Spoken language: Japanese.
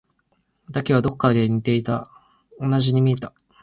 だけど、どこか似ていた。同じに見えた。